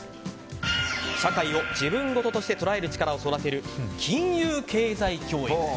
社会を自分事として捉える力を育てる、金融経済教育。